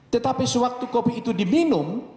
tetapi sewaktu kopi itu diminum